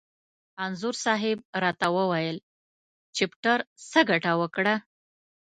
انځور صاحب را ته وویل: چپټر څه ګټه وکړه؟